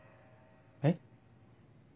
えっ？